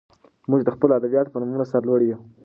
موږ د خپلو ادیبانو په نومونو سر لوړي یو.